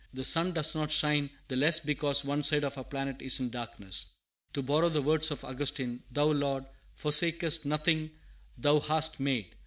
The sun does not shine the less because one side of our planet is in darkness. To borrow the words of Augustine "Thou, Lord, forsakest nothing thou hast made.